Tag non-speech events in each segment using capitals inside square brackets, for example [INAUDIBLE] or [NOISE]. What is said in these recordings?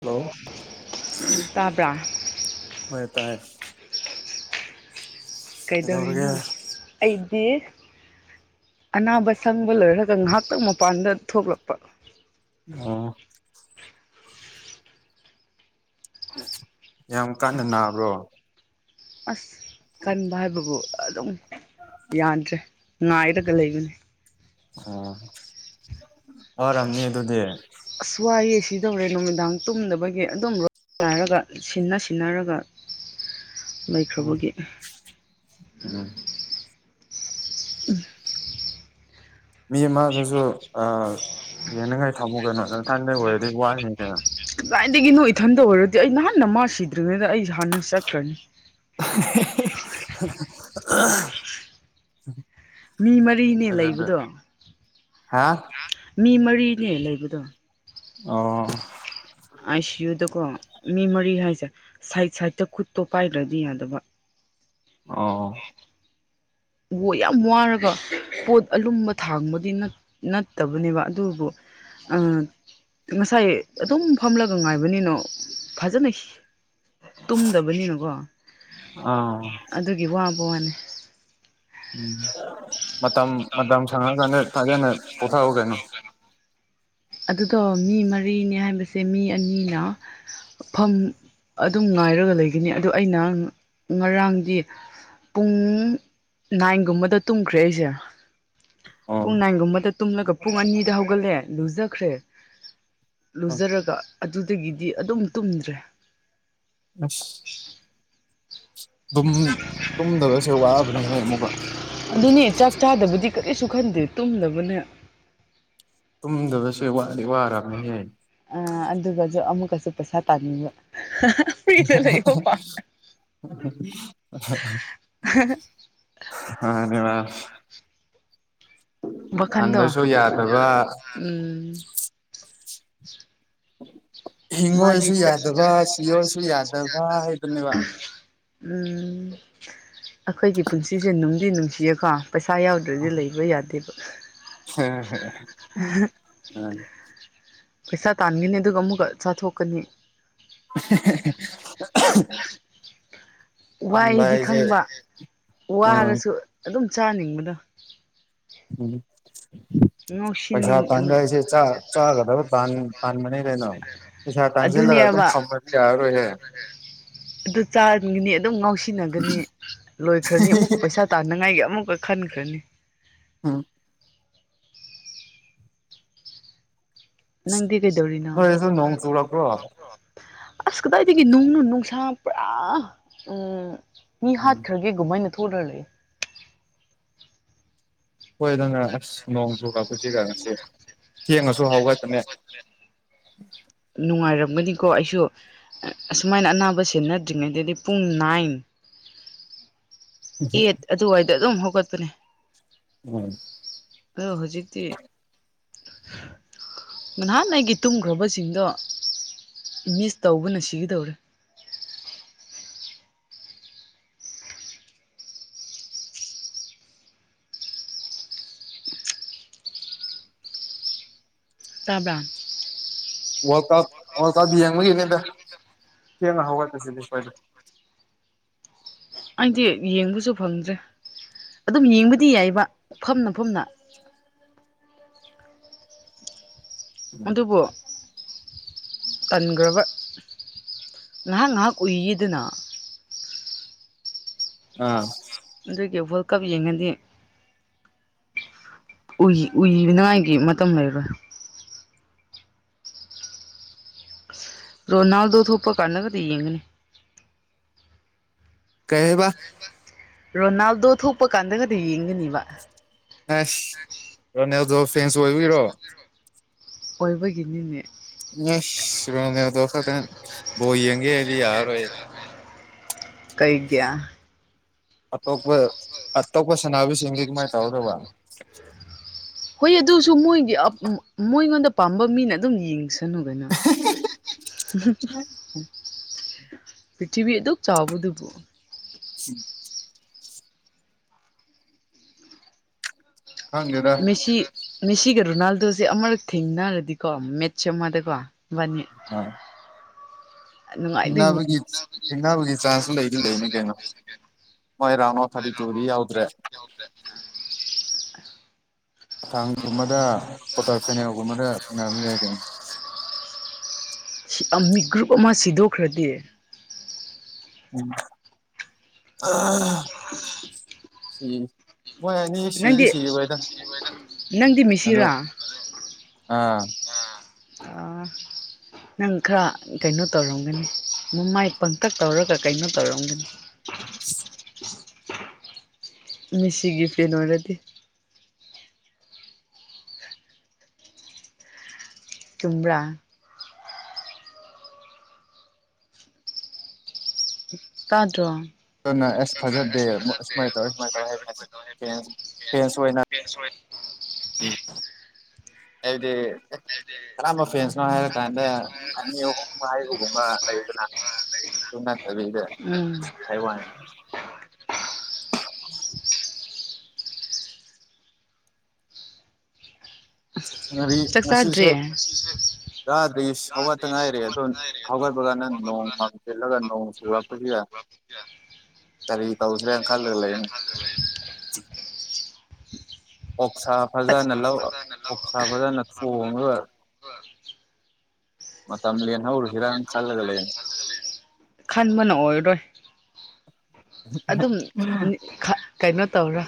Hello ꯇꯥꯕ꯭ꯔꯥ ꯍꯣꯏ ꯇꯥꯏ ꯀꯩꯗꯧꯔꯒꯦ ꯀꯩꯗꯧꯔꯤꯅꯣ ꯑꯩꯗꯤ ꯑꯅꯥꯕ ꯁꯪꯕ ꯂꯣꯏꯔꯒ ꯉꯥꯏꯍꯥꯛꯇꯪ ꯃꯄꯥꯟꯗ ꯊꯣꯛꯂꯛꯄ ꯑꯣ ꯌꯥꯝ ꯀꯥꯟꯅ ꯅꯥꯕ꯭ꯔꯣ ꯑꯁ ꯀꯟꯕ ꯍꯥꯏꯕꯕꯨ ꯑꯗꯨꯝ ꯌꯥꯗ꯭ꯔꯦ ꯉꯥꯏꯔꯒ ꯂꯩꯕꯅꯤ ꯑꯣ ꯋꯥꯔꯝꯅꯤ ꯑꯗꯨꯗꯤ ꯑꯁ ꯋꯥꯏꯌꯦ ꯁꯤꯗꯧꯔꯦ ꯅꯨꯃꯤꯗꯥꯡ ꯇꯨꯝꯗꯕꯒꯤ ꯑꯗꯨꯝ ꯔꯣꯏ ꯂꯥꯏꯔꯒ ꯁꯤꯟꯅ ꯁꯤꯟꯅꯔꯒ ꯑꯣ ꯂꯩꯈ꯭ꯔꯕꯒꯤ ꯎꯝ ꯎꯝ ꯃꯤ ꯑꯃꯗꯁꯨ ꯑꯥꯌꯦꯡꯅꯤꯡꯉꯥꯏ ꯊꯝꯃꯨ ꯀꯩꯅꯣ ꯅꯊꯟꯗ ꯑꯣꯏꯔꯗꯤ ꯋꯥꯅꯤ ꯀꯩꯅ‌ꯣ ꯀꯗꯥꯥꯏꯏꯗꯒꯤꯅꯣ ꯏꯊꯟꯗ ꯑꯣꯏꯔꯗꯤ ꯑꯩ ꯅꯍꯥꯟ ꯃꯥ ꯁꯤꯗ꯭ꯔꯤꯉꯩꯗ ꯑꯩ ꯍꯥꯟꯅ ꯆꯠꯈ꯭ꯔꯅꯤ [UNINTELLIGIBLE] ꯃꯤ ꯃꯔꯤꯅꯦ ꯑꯗꯨꯗꯤ ꯂꯩꯕꯗꯣ ꯍꯥ ꯃꯤ ꯃꯔꯤꯅꯦ ꯂꯩꯕꯗꯣ ꯑꯣ ꯑꯥꯏ ꯁꯤ ꯌꯨꯗꯀꯣ ꯃꯤ ꯃꯔꯤ ꯍꯥꯏꯁꯦ ꯁꯥꯏꯠ ꯁꯥꯏꯠꯇ ꯈꯨꯠꯇꯣ ꯄꯥꯏꯗ꯭ꯔꯗꯤ ꯌꯥꯗꯕ ꯑꯣ ꯑꯣ ꯌꯥꯝ ꯋꯥꯔꯒ ꯄꯣꯠ ꯑꯂꯨꯝꯕ ꯊꯥꯡꯕꯗꯤ ꯅꯠ ꯅꯠꯇꯕꯅꯦꯕ ꯑꯗꯨꯕꯨ ꯑꯥ ꯉꯁꯥꯏ ꯑꯗꯨꯝ ꯐꯝꯂꯒ ꯉꯥꯏꯕꯅꯤꯅꯣ ꯐꯖꯅ ꯍꯤ ꯇꯨꯝꯗꯕꯅꯤꯅꯀꯣ ꯑꯥ ꯑꯗꯨꯒꯤ ꯋꯥꯕ ꯋꯥꯅꯦ ꯎꯝ ꯃꯇꯝ ꯃꯇꯝ ꯁꯪꯉꯀꯥꯟꯗ ꯐꯖꯅ ꯄꯨꯊꯥꯎ ꯀꯩꯅꯣ ꯑꯗꯨꯗꯣ ꯃꯤ ꯃꯔꯤꯅꯦ ꯍꯥꯏꯕꯁꯦ ꯃꯤ ꯑꯅꯤꯅ ꯐꯝ ꯑꯗꯨꯝ ꯉꯥꯏꯔꯒ ꯂꯩꯒꯅꯤ ꯑꯗꯨ ꯑꯩꯅ ꯉ ꯉꯔꯥꯡꯗꯤ ꯄꯨꯡ ꯅꯥꯏꯟꯒꯨꯝꯕꯗ ꯇꯨꯝꯈ꯭ꯔꯦ ꯑꯩꯖ‌ꯦ ꯑꯣ ꯄꯨꯡ ꯅꯥꯏꯟꯒꯨꯝꯕꯗ ꯇꯨꯝꯂꯒ ꯄꯨꯡ ꯑꯅꯤꯗ ꯍꯧꯒꯠꯂ‌ꯦ ꯂꯨꯖꯈ꯭ꯔꯦ ꯂꯨꯖꯔꯒ ꯑꯗꯨꯗꯒꯤꯗꯤ ꯑꯗꯨꯝ ꯇꯨꯝꯗ꯭ꯔꯦ ꯑꯁ ꯇꯨꯝ ꯇꯨꯝꯗꯕꯁꯨ ꯋꯥꯕꯅꯦꯍꯦ ꯑꯃꯨꯛꯒ ꯑꯗꯨꯅꯤ ꯆꯥꯛ ꯆꯥꯗꯕꯗꯤ ꯀꯔꯤꯁꯨ ꯈꯟꯗꯦ ꯇꯨꯝꯗꯕꯅ‌ꯦ ꯇꯨꯝꯗꯕꯁ‌ꯦ ꯋꯥꯗꯤ ꯋꯥꯔꯝꯃꯦꯍꯦ ꯑꯑ ꯑꯗꯨꯒꯖꯨ ꯑꯃꯨꯛꯀꯁꯨ ꯄꯩꯁꯥ ꯇꯥꯟꯅꯤꯡꯕ [UNINTELLIGIBLE] ꯑ [UNINTELLIGIBLE] ꯋꯥꯈꯟꯗꯣ ꯇꯥꯟꯗꯁꯨ ꯌꯥꯗꯕ ꯎꯝ ꯃꯥꯗꯤ ꯍꯤꯡꯉꯣꯏꯁꯨ [UNINTELLIGIBLE] ꯌꯥꯗꯕ ꯁꯤꯌꯣꯏꯁꯨ ꯌꯥꯗꯕ ꯍꯥꯏꯗꯨꯅꯦꯕ ꯎꯝ ꯑꯩꯈꯣꯏꯒꯤ ꯄꯨꯟꯁꯤꯁꯦ ꯅꯨꯡꯗꯤ ꯅꯨꯡꯁꯤꯌꯦꯀꯣ ꯄꯩꯁꯥ ꯌꯥꯎ ꯗꯔꯗꯤ ꯂꯩꯕ ꯌꯥꯗꯦꯕ [UNINTELLIGIBLE] ꯄꯩꯁꯥ ꯇꯥꯟꯒꯅꯤ ꯑꯗꯨꯒ ꯑꯃꯨꯛꯀ ꯆꯥꯊꯣꯛꯀꯅꯤ [UNINTELLIGIBLE] ꯄꯥꯟꯕ ꯋꯥꯏꯗꯤ ꯍꯥꯏꯁꯦ ꯈꯪꯕ ꯎꯝ ꯋꯥꯔꯁꯨ ꯑꯗꯨꯝ ꯆꯥꯅꯤꯡꯕꯗꯣ ꯎꯝ [UNINTELLIGIBLE] ꯄꯩꯁꯥ ꯅ‌ꯣꯁꯤꯅꯤꯡ ꯇꯥꯟꯕ ꯍꯥꯏꯁꯦ ꯆꯥ ꯆꯥꯒꯗꯕ ꯇꯥꯟ ꯇꯥꯟꯕꯅꯤ ꯀꯩꯅꯣ ꯄꯩꯁꯥ [UNINTELLIGIBLE] ꯇꯥꯟꯁꯤꯜꯂꯒ ꯑꯗꯨꯝ ꯑꯗꯨꯅꯦꯕ [UNINTELLIGIBLE] ꯊꯝꯃꯗꯤ ꯌꯥꯔꯔꯣꯏꯍꯦ ꯑꯗꯨ ꯆꯥꯒꯅꯤ ꯑꯗꯨꯝ ꯉꯥꯎꯁꯤꯟꯅꯒꯅꯤ ꯂꯣꯏꯈ꯭ꯔꯅꯤ ꯑꯃꯨꯛꯀ ꯄꯩꯁꯥ ꯇꯥꯅꯉꯥꯏꯒꯤ ꯑꯃꯨꯛꯀ ꯈꯟꯈ꯭ꯔꯅꯤ ꯎꯝ ꯅꯪꯗꯤ ꯀꯩꯗꯧꯔꯤꯅꯣ ꯅꯣꯏꯗꯁꯨ ꯍꯣꯏ ꯗꯣ ꯅꯣꯡ ꯆꯨꯔꯛꯄ꯭ꯔꯣ ꯂꯥꯛꯄ꯭ꯔꯣ ꯑꯁ ꯀꯗꯥꯏꯗꯒꯤ ꯅꯨꯡꯅꯣ ꯅꯨꯡꯁꯥ ꯄꯨꯔꯥ ꯎꯝ ꯃꯤ ꯎꯝ ꯍꯥꯠꯈ꯭ꯔꯒꯦ ꯑꯗꯨꯃꯥꯏ ꯊꯣꯛꯂꯔꯦ ꯍꯣꯏ ꯑꯗꯨꯅ ꯑꯁ ꯅꯣꯡ ꯆꯨꯔꯛꯄꯁꯤꯒ ꯉꯁꯤ ꯊꯦꯡꯉꯁꯨ ꯍꯧꯒꯄꯅꯦ ꯅꯨꯡꯉꯥꯏꯔꯝꯒꯅꯤꯀꯣ ꯑꯩꯁꯨ ꯑꯁꯨꯃꯥꯏꯅ ꯑꯅꯥꯕ ꯁꯦꯟꯅꯗ꯭ꯔꯤꯉꯩꯗꯗꯤ ꯄꯨꯡ ꯅꯥꯏꯟ ꯑꯦꯠ ꯑꯗꯨꯋꯥꯏꯗ ꯑꯗꯨꯝ ꯍꯧꯒꯠꯄꯅꯦ ꯎꯝ ꯑꯗꯣ ꯍꯧꯖꯤꯛꯇꯤ [INAUDIBLE] ꯅꯍꯥꯟ ꯑꯩꯒꯤ ꯇꯨꯝꯈ꯭ꯔꯕꯁꯤꯡꯗꯣ ꯃꯤꯁ ꯇꯧꯕꯅ ꯁꯤꯒꯗꯧꯔꯦ ꯇꯥꯕꯔ ꯋꯥꯔꯛ ꯑꯥꯎ ꯋꯥꯋꯔꯥꯛ ꯑꯥꯎ ꯌꯦꯡꯕꯒꯤꯅꯦꯗ ꯊꯦꯡꯅ ꯍꯧꯒꯠꯆꯁꯤꯗꯤ ꯈꯣꯏꯅ ꯑꯩꯗꯤ ꯌꯦꯡꯕꯁꯨ ꯐꯪꯗ꯭ꯔꯦ ꯑꯗꯨꯝ ꯌꯦꯡꯕꯗꯤ ꯌꯥꯏꯕ ꯐꯝꯅ ꯐꯝꯅ ꯑꯗꯨꯕꯨ ꯈꯟꯈ꯭ꯔꯕ ꯉꯥꯏꯍꯥꯛ ꯉꯥꯏꯍꯥꯛ ꯎꯏꯗꯅ ꯑꯥ ꯑꯗꯨꯒꯤ ꯋꯥꯔꯜ ꯀꯞ ꯌꯦꯡꯉꯗꯤ ꯎꯏꯅꯤꯉꯥꯏꯒꯤ ꯃꯇꯝ ꯂꯩꯔꯣꯏ ꯔꯣꯅꯥꯜꯗꯣ ꯊꯣꯛꯄ ꯀꯟꯗꯒꯗꯤ ꯌꯦꯡꯒꯅꯤ ꯀꯩꯑꯕ ꯔꯣꯅꯥꯜꯗꯣ ꯊꯣꯛꯄ ꯀꯥꯟꯗꯒꯗꯤ ꯌꯦꯡꯒꯅꯤꯕ ꯑꯦꯁ ꯔꯣꯅꯦꯜꯗꯣ ꯐꯦꯟꯁ ꯑꯣꯏꯕꯒꯤꯕꯣ ꯑꯣꯏꯕꯒꯤꯅꯤꯅꯦ ꯏꯁ ꯔꯣꯅꯥꯜꯗꯣ ꯈꯛꯇ ꯕꯣꯜ ꯌꯦꯡꯒꯦꯗꯤ ꯌꯥꯔꯔꯣꯏꯌꯦ ꯀꯩꯒꯤ ꯑꯇꯣꯞꯄ ꯑꯇꯣꯞꯄ ꯁꯅꯥꯕꯤꯁꯤꯡꯗꯤ ꯀꯃꯥꯏꯅ ꯇꯧꯒꯗꯧꯕ ꯍꯣꯏ ꯑꯗꯨꯁꯨ ꯃꯣꯏꯒꯤ ꯃꯣꯏꯉꯣꯟꯗ ꯄꯥꯝꯕ ꯃꯤꯅ ꯑꯗꯨꯝ ꯌꯦꯡꯁ ꯁꯅꯨ ꯀꯩꯅꯣ [UNINTELLIGIBLE] ꯄ꯭ꯔꯤꯊꯤꯕꯤ ꯑꯗꯨꯛ ꯆꯥꯎꯕ ꯗꯨꯕꯨ [UNINTELLIGIBLE] ꯈꯪꯗꯦꯗ ꯃꯦꯁꯤ ꯃꯦꯁꯤꯒ ꯔꯣꯅꯥꯜꯗꯣꯁꯦ ꯑꯃꯔꯛ ꯊꯦꯡꯅꯔꯗꯤꯀꯣ ꯃꯦꯠꯆ ꯑꯃꯗꯀꯣ ꯃꯥꯕꯅꯤ ꯍꯥ ꯅꯨꯡꯉꯥꯏꯗꯣꯏꯅꯦ ꯊꯦꯡꯅꯕꯒꯤ ꯊꯦꯡꯅꯕꯒꯤ ꯆꯥꯟꯁꯨ ꯂꯩꯗꯤ ꯂꯩꯅꯤ ꯀꯩꯅꯣ ꯃꯣꯏ ꯔꯥꯎꯟꯗ ꯑꯣꯐ ꯊꯥꯔꯇꯤ ꯇꯨꯗꯤ ꯌꯥꯎꯗ꯭ꯔꯦ [UNINTELLIGIBLE] ꯊꯥꯡꯒꯨꯝꯕꯗ ꯀ꯭ꯋꯥꯇꯔ ꯐꯦꯅꯦꯜꯒꯨꯝꯕꯗ ꯊꯦꯡꯅꯕꯖꯤ ꯌꯥꯏ ꯀꯩꯅꯣ ꯁꯤꯌꯥ ꯃꯤ ꯒ꯭ꯔꯨꯞ ꯑꯃ ꯁꯤꯗꯣꯛꯈ꯭ꯔꯗꯤ ꯎꯝ ꯑꯥ ꯃꯣꯏ ꯑꯅꯤ ꯁꯤꯗꯤ ꯅꯪꯗꯤ ꯁꯤꯔꯣꯏꯗ ꯅꯪꯗꯤ ꯑꯗꯣ ꯃꯦꯁꯤꯔꯥ ꯑꯥ ꯑꯥ ꯅꯪ ꯈꯔ ꯀꯩꯅꯣ ꯇꯧꯔꯝꯒꯅꯤ ꯃꯃꯥꯏ ꯄꯪꯇꯛ ꯇꯧꯔꯒ ꯀꯩꯅꯣ ꯇꯧꯔꯝꯒꯅꯤ [INAUDIBLE] ꯃ ꯦꯁꯤꯒꯤ ꯐꯦꯟ ꯑꯣꯏꯔꯗꯤ ꯆꯨꯝꯕ꯭ꯔ ꯇꯥꯗ꯭ꯔꯣ ꯑꯗꯨꯅ ꯑꯁ ꯐꯖꯗꯦ ꯁꯨꯃꯥꯏꯅ ꯇꯧꯔ ꯁꯨꯃꯥꯏꯅ ꯇꯧ ꯐ ꯐꯦꯟ ꯑꯣꯏꯅ ꯐꯦꯁ ꯑꯣꯏ ꯍꯥꯏꯕꯗꯤ ꯀꯔꯝꯕ ꯐꯦꯟꯁꯅꯣ ꯍꯥꯏꯔ ꯀꯥꯟꯗ ꯑꯅꯤ ꯑꯍꯨꯝ ꯍꯥꯏꯩꯕꯒꯨꯝꯕ ꯂꯩꯗꯅ ꯑꯗꯨ ꯅꯠꯇꯕꯤꯗ ꯎꯝ ꯍꯥꯏꯋꯥꯅꯦ ꯉꯥꯔꯤ ꯆꯥꯛ ꯆꯥꯗ꯭ꯔꯤ ꯉꯁꯤꯁꯦ ꯆꯥꯗꯔꯤ ꯍꯧꯒꯠꯇ ꯉꯥꯏꯔꯦ ꯑꯗꯣ ꯍꯧꯒꯠꯄꯒꯅ ꯅꯣꯡ ꯃꯡꯖꯤꯜꯂꯒ ꯅꯣꯡ ꯆꯨꯔꯛꯄꯁꯨ ꯌꯥꯏ ꯎꯝ ꯀꯔꯤ ꯇꯧꯁꯤꯔꯅ ꯈꯜꯂꯒ ꯂꯩꯔꯤꯅꯦ ꯑꯣꯛꯁꯥ ꯐꯖꯅ ꯂꯧ ꯑꯣꯛꯁꯥ ꯐꯖꯅ ꯊꯣꯡꯉꯒ ꯃꯇꯝ ꯂꯦꯜꯍꯧꯔꯨꯁꯤꯔꯅ ꯈꯜꯂꯒꯂ ꯂꯩꯔꯤꯅꯦ ꯈꯟꯕꯅ ꯑꯣꯏꯔꯣꯏ ꯑꯗꯨꯝ ꯀꯩꯅꯣ ꯇꯧꯔꯣ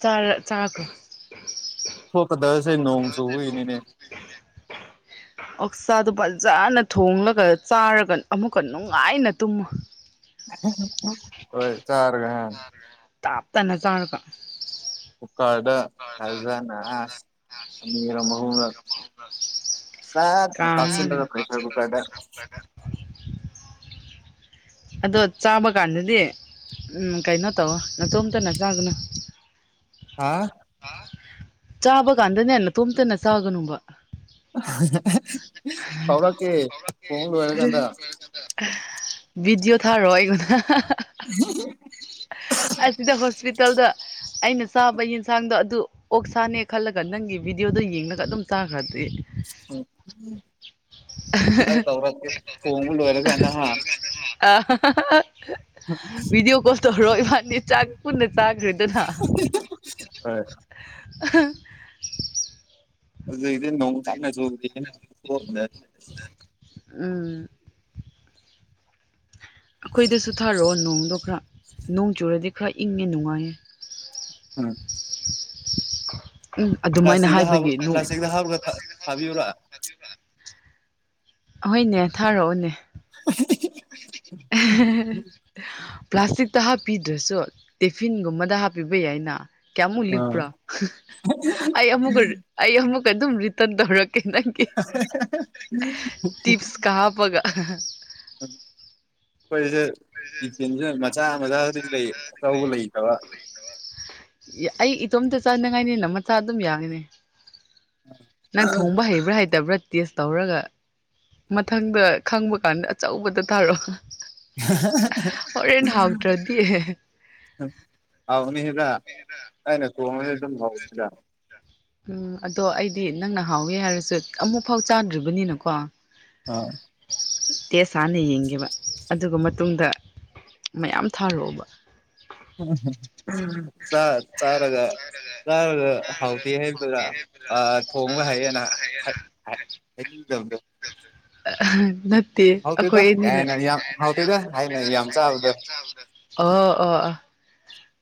ꯆꯥꯔꯣ ꯆꯥꯈ꯭ꯔꯣ ꯊꯣꯛꯀꯗꯕꯁꯦ ꯅꯣꯡ ꯆꯨꯕꯒꯤꯅꯤꯅꯦ ꯑꯣꯛꯆꯥꯥꯗꯨ ꯐꯖꯅ ꯊꯣꯡꯂꯒ ꯆꯥꯔꯒ ꯑꯃꯨꯛꯀ ꯅꯨꯡꯉꯥꯏꯅ ꯇꯨꯝꯃꯨ ꯍꯣꯏ ꯆꯔꯒꯍ ꯇꯥꯞꯇꯅ ꯆꯥꯔꯒ ꯎ ꯀꯥꯗ ꯈꯜꯖꯅ ꯑꯔꯍ ꯁꯠ ꯀꯥꯝꯔꯒ ꯀꯥꯁꯤꯟꯕꯅ ꯐꯩ ꯄꯦꯁꯔ ꯀꯨꯀꯔꯗ ꯑꯗꯣ ꯆꯥꯕ ꯀꯥꯟꯗꯗꯤ ꯎꯝ ꯀꯩꯅꯣ ꯇꯧꯑꯣ ꯅꯇꯣꯝꯇ ꯅ ꯆꯥꯒꯅ ꯍꯥ ꯆꯥꯕ ꯀꯥꯟꯗꯅꯦ ꯅꯇꯣꯝꯇꯅ ꯆꯥꯒꯅꯨꯕ ꯀꯥꯎꯔꯛꯀꯦ ꯊꯣꯡ ꯂꯣꯏꯔꯀꯥꯟꯗ ꯕꯤꯗꯤꯑꯣ ꯊꯥꯔꯛꯑꯣ ꯑꯩꯉꯣꯟꯗ [UNINTELLIGIBLE] ꯑꯁꯤꯗ ꯍꯣꯁꯄꯤꯇꯥꯜꯗ ꯑꯩꯅ ꯆꯥꯕ ꯌꯦꯟꯁꯥꯡꯗꯣ ꯑꯗꯨ ꯑꯣꯛ ꯁꯥꯥꯅꯦ ꯈꯜꯂꯒ ꯅꯪꯒꯤ ꯚꯤꯗꯤꯑꯣꯗ ꯌꯦꯡꯉꯒ ꯑꯗꯨꯝ ꯆꯥꯈ꯭ꯔꯗꯤ ꯑꯩ ꯀꯧꯔꯛꯀꯦ ꯊꯣꯡꯕ ꯂꯣꯏꯔꯀꯥꯟꯗ ꯍꯥ ꯑ ꯚꯤꯗꯤꯑꯣ ꯀꯣꯜ ꯇꯧꯔꯣ ꯏꯕꯥꯅꯤ ꯆꯥꯛ ꯄꯨꯟꯅ ꯆꯥꯁꯤꯗꯅ ꯍꯣꯏ ꯑꯍ ꯑꯗꯨ ꯏꯗꯤ ꯅꯣꯡ ꯀꯟꯅ ꯆꯨꯕꯗꯤ ꯇꯣꯛꯈ꯭ꯔꯦ ꯎꯝ ꯑꯩꯈꯣꯏꯗꯁꯨ ꯊꯥꯔꯛꯑꯣ ꯅꯣꯡꯗꯣ ꯈꯔ ꯅꯣꯡ ꯆꯨꯔꯗꯤ ꯈꯔ ꯏꯪꯉꯦ ꯅꯨꯡꯉꯥꯏꯌꯦ ꯎꯝ ꯎꯝ ꯑꯗꯨꯃꯥꯏꯅ ꯄ꯭ꯂꯥꯁꯇꯤꯛꯗ ꯍꯥꯥꯞ ꯍꯥꯏꯕꯒꯤ ꯅꯣꯡ ꯄ꯭ꯂꯥꯁꯇꯤꯛꯗ ꯍꯥꯥꯞꯂꯒ ꯊꯥ ꯊꯕꯤꯌꯨꯔꯥ ꯑꯍꯣꯏꯅꯦ ꯊꯥꯔꯛꯑꯣꯅꯦ ꯄ꯭ꯂꯥꯁꯇꯤꯛ ꯇ ꯍꯥꯞꯄꯤꯗ꯭ꯔꯁꯨ ꯇꯤꯐꯤꯟꯒꯨꯝꯕꯗ ꯍꯥꯞꯄꯤꯕ ꯌꯥꯏꯅ ꯀꯌꯥꯃꯨꯛ ꯂꯤꯛꯄ꯭ꯔꯣ ꯑꯩ ꯑꯃꯨꯛꯀ ꯑꯩ ꯑꯃꯨꯛꯀ ꯑꯗꯨꯝ ꯔꯤꯇꯟ ꯇꯧꯔꯛꯀꯦ ꯀꯦꯅꯪꯒꯤ ꯇꯤꯞꯁ ꯀꯥ ꯍꯥꯞꯄꯒ ꯎꯝ ꯑꯈꯣꯏꯖꯦ ꯇꯤꯐꯤꯟꯖꯦ ꯃꯆꯥ ꯃꯆꯥꯗꯤ ꯂꯩ ꯑꯆꯧꯕ ꯂꯩꯇꯕ ꯑꯩ ꯏꯇꯣꯝꯇ ꯆꯥꯅꯤꯡꯉꯥꯏꯅꯤꯅ ꯃꯆꯥ ꯑꯗꯨꯝ ꯌꯥꯒꯅꯤ ꯅꯪ ꯊꯣꯡꯕ ꯍꯩꯕ꯭ꯔꯥ ꯍꯩꯇꯕ꯭ꯔꯥ ꯇꯦꯁ ꯇꯧꯔꯒ ꯃꯊꯪꯗ ꯈꯪꯕ ꯀꯥꯟꯗ ꯑꯆꯧꯕꯗꯣ ꯊꯥꯔꯣ [UNINTELLIGIBLE] ꯍꯥꯎꯅꯤꯗ ꯑꯩꯅ ꯊꯣꯡꯉꯗꯤ ꯑꯗꯨꯝ ꯍꯥꯎꯕꯅꯤꯗ ꯎꯝ ꯑꯗꯣ ꯑꯩꯗꯤ ꯅꯪꯅ ꯍꯥꯎꯋꯦ ꯍꯥꯏꯔꯁꯨ ꯑꯃꯨꯛ ꯐꯥꯎ ꯆꯥꯗ꯭ꯔꯤꯕꯅꯤꯅꯀꯣ ꯑ ꯇꯦꯁ ꯍꯥꯟꯅ ꯌꯦꯡꯒꯦꯕ ꯑꯗꯨꯒ ꯃꯇꯨꯡꯗ ꯃꯌꯥꯝ ꯊꯥꯔꯛꯑꯣꯕ ꯎꯝ ꯆ ꯆꯔꯒ ꯆꯔꯒꯥ ꯍꯥꯎꯇꯦꯍꯥꯏꯔꯛ ꯇꯣꯏꯔ ꯑ ꯊꯣꯡꯕ ꯍꯩꯔꯦꯅ ꯍꯥꯏꯅꯤꯡꯗꯝꯗꯣ ꯅꯥꯠ ꯇꯦ ꯍꯥꯎꯇꯦꯗ ꯑꯈꯣꯏ ꯑꯅꯤꯅ ꯀꯥꯏꯅ ꯌꯥꯝ ꯍꯥꯎꯇꯦꯗ ꯍꯥꯏꯅ ꯌꯥꯝ ꯆꯥꯕꯗꯣ [UNINTELLIGIBLE] ꯑꯣ ꯑꯣ ꯑꯣ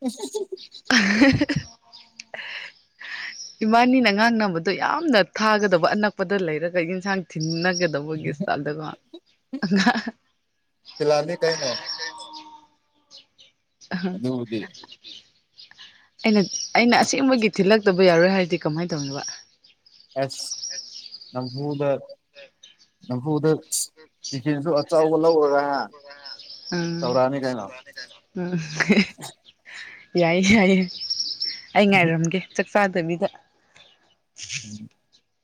ꯎꯝꯍꯨꯝ [UNINTELLIGIBLE] [INAUDIBLE] ꯏꯕꯥꯟ ꯅꯤꯅ ꯉꯥꯡꯅꯕꯗꯣ ꯌꯥꯝꯅ ꯊꯥꯒꯗꯕ ꯑꯅꯛꯄꯗ ꯂꯩꯔꯒ ꯌꯦꯟꯁꯥꯡ ꯊꯤꯟꯅꯒꯗꯕꯒꯤ ꯑꯝꯗꯀꯣ ꯐꯤꯂꯥꯅꯤ ꯀꯩꯅꯣ ꯑꯍꯡ ꯑꯗꯨꯕꯨꯗꯤ ꯑꯩꯅ ꯑꯩꯅ ꯑꯁꯦꯡꯕꯒꯤ ꯊꯤꯜꯂꯛꯇꯕ ꯌꯥꯔꯣꯏ ꯍꯥꯏꯗꯤ ꯀꯃꯥꯏ ꯇꯧꯅꯣꯕ ꯑꯦꯁ ꯅꯝꯐꯨꯗ ꯅꯝꯐꯨꯗ ꯇꯤꯐꯤꯟꯖꯨ ꯑꯆꯧꯕ ꯂꯧꯔꯒ ꯎꯝ ꯇꯧꯔꯛꯑꯅꯤ ꯀꯩꯅꯣ ꯎꯝ ꯌꯥꯏꯌꯦ ꯌꯥꯏꯌꯦ ꯑꯩ ꯉꯥꯏꯔꯝꯒꯦ ꯆꯛ ꯆꯥꯗꯕꯤꯗ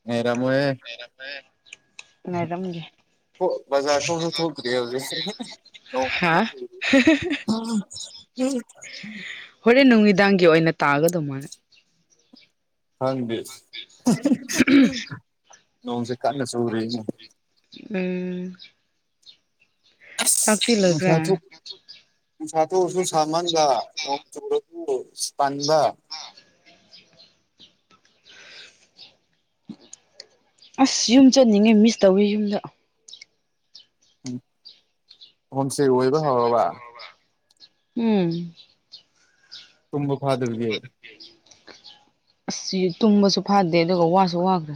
ꯉꯥꯏꯔꯝꯃꯨ ꯍꯦ ꯂꯩꯔꯞꯄꯦ ꯊꯣꯛ ꯕꯥꯖꯔ ꯊꯣꯛꯁꯨ ꯊꯣꯛꯇꯔꯤ ꯍꯧꯖꯤꯛꯁꯦ ꯍꯥꯥ ꯍꯣꯔꯦꯟ ꯅꯨꯃꯤꯗꯥꯡꯒꯤ ꯑꯣꯏꯅ ꯇꯥꯒꯗꯕ ꯃꯥꯜꯂꯦ ꯈꯪꯗꯦ ꯅꯣꯡꯁꯦ ꯀꯟꯅ ꯆꯨꯔꯦꯅꯦ ꯎꯝ ꯑꯁ ꯆꯥꯛꯇꯤ ꯂꯣꯏꯈ꯭ꯔꯦ ꯅꯨꯡꯁꯥ ꯊꯣꯛ ꯅꯨꯡꯁꯥ ꯊꯣꯛꯑꯁꯨ ꯁꯥꯃꯟꯕ ꯅꯣꯡ ꯆꯨꯔꯁꯨ ꯄꯟꯕ ꯑꯁ ꯌꯨꯝ ꯆꯠꯅꯤꯡꯉꯦ ꯃꯤꯁ ꯇꯧꯋꯤ ꯌꯨꯝꯗ ꯎꯝ ꯍꯨꯝꯁꯦꯛ ꯑꯣꯏꯕ ꯍꯧꯔꯕ ꯎꯝ ꯇꯨꯝꯕ ꯐꯥꯗꯕꯒꯤ ꯑꯁꯁꯤ ꯇꯨꯝꯕꯁꯨ ꯐꯗꯦ ꯑꯗꯨꯒ ꯋꯥꯁꯨ ꯋꯥꯒ꯭ꯔꯦ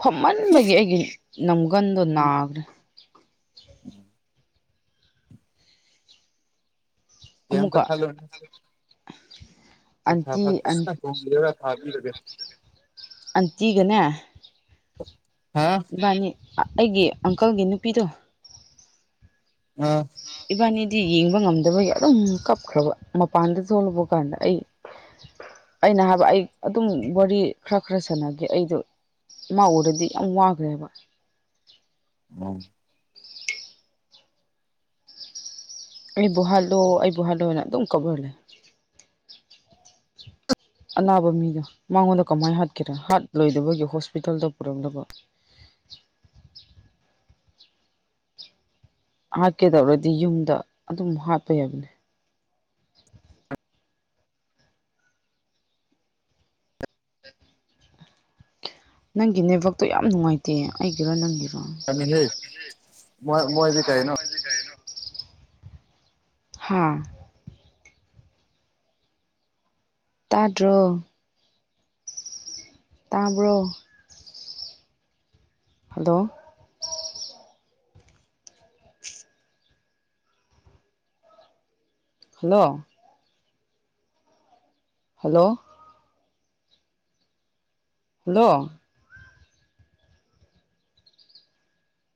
ꯐꯝꯃꯟꯕꯒꯤ ꯑꯩꯒꯤ ꯅꯝꯒꯟꯗꯣ ꯅꯥꯕꯅꯦ ꯎꯝ ꯀꯦꯝꯇꯥ ꯑꯃꯨꯛꯀ ꯈꯜꯂꯣꯔꯅꯨꯁꯦ ꯑꯣꯛ ꯁꯥ ꯑꯟꯇꯤ ꯑꯟ ꯐꯖꯅ ꯊꯣꯡꯕꯤꯔꯒ ꯊꯕꯤꯒ꯭ꯔꯒꯦ ꯑꯟꯇꯤꯒꯅꯦ ꯍꯥꯥ ꯏꯕꯥꯅꯤ ꯑꯩꯒꯤ ꯑꯪꯀꯜꯒꯤ ꯅꯨꯄꯤꯗꯣ꯫ ꯑꯥ ꯏꯕꯥꯅꯤꯗꯤ ꯌꯦꯡꯕ ꯉꯝꯗꯕꯒꯤ ꯑꯗꯨꯝ ꯀꯞꯈ꯭ꯔꯕ ꯃꯄꯥꯟꯗ ꯊꯣꯛꯂꯛꯄ ꯀꯥꯟꯗ ꯑꯩ꯫ [INAUDIBLE] ꯑꯩꯅ ꯍꯥꯏꯕ ꯑꯩ ꯑꯗꯨꯝ ꯋꯥꯔꯤ ꯈꯔ ꯈꯔ ꯁꯥꯟꯅꯒꯦ ꯑꯩꯗꯨ꯫ ꯃꯥ ꯎꯔꯗꯤ ꯌꯥꯝ ꯋꯥꯈ꯭ꯔꯦꯕ꯫ ꯎꯝ꯫ ꯑꯩꯕꯨ ꯍꯥꯠꯂꯣ ꯑꯩꯕꯨ ꯍꯥꯠꯂꯣꯅ ꯑꯗꯨꯝ ꯀꯞꯔꯒ ꯂꯩꯌꯦ꯫ [INAUDIBLE] [UNINTELLIGIBLE] ꯑꯅꯥꯕ ꯃꯤꯗꯣ ꯃꯉꯣꯟꯗ ꯀꯃꯥꯏꯅ ꯍꯥꯠꯀꯦꯔꯦ ꯍꯥꯠꯂꯣꯏꯗꯕꯒꯤ ꯍꯣꯁꯄꯤꯇꯥꯜꯗ ꯄꯨꯔꯝꯗꯕ꯫ ꯍꯥꯠꯀꯦꯗꯧꯔꯗꯤ ꯌꯨꯝꯗ ꯑꯗꯨꯝ ꯍꯥꯠꯄ ꯌꯥꯕꯅꯦ꯫ [UNINTELLIGIBLE] ꯅꯪꯒꯤ ꯅꯦꯛ ꯋꯥꯛꯇꯣ ꯌꯥꯝ ꯅꯨꯡꯉꯥꯏꯇꯦꯌꯦ ꯑꯩꯒꯤꯔꯣ ꯅꯪꯒꯤꯔꯣ꫰꫰ ꯍꯦꯟꯂꯤ ꯃꯣꯏ ꯃꯣꯏꯗꯤ ꯀꯩꯅꯣ ꯍꯥꯥ ꯇꯥꯗ꯭ꯔꯣ ꯇꯥꯕ꯭ꯔꯣ ꯍꯜꯂꯣ ꯍꯜꯂꯣ ꯍꯜꯂꯣ ꯍꯜꯂꯣ